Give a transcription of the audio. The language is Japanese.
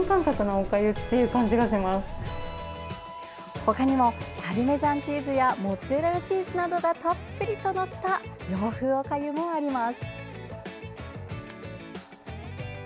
他にもパルメザンチーズやモッツァレラチーズなどがたっぷりと載った洋風おかゆもあります。